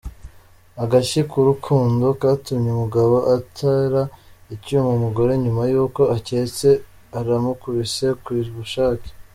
Agashyi k’urukundo katumye umugabo atera icyuma umugore nyuma yuko acyetse arumukubise ku bushake.